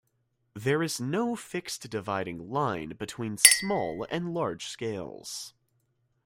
There is no fixed dividing line between small and large scales.